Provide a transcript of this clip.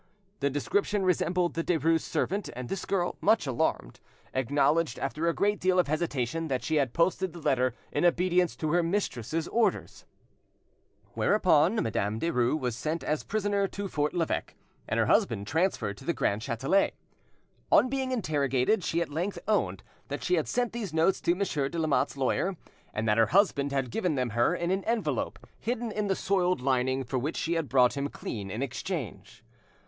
The description resembled the Derues' servant; and this girl, much alarmed, acknowledged, after a great deal of hesitation, that she had posted the letter in obedience to her mistress's orders. Whereupon Madame Derues was sent as a prisoner to Fort l'Eveque, and her husband transferred to the Grand Chatelet. On being interrogated, she at length owned that she had sent these notes to Monsieur de Lamotte's lawyer, and that her husband had given them her in an envelope hidden in the soiled linen for which she had brought him clean in exchange.